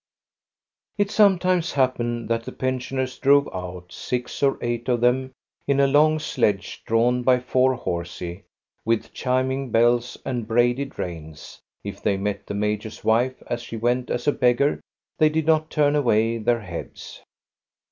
It sometimes happened that the pensioners drove out, six or eight of them, in a long sledge drawn by four horsey, with chiming bells and braided reins. If they met the major's wife, as she went as a beggar, they did not turn away their heads.